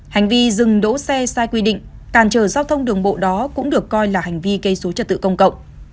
hành vi dừng đỗ xe sai quy định càn trở giao thông đường bộ đó cũng được coi là hành vi gây số trật tự công cộng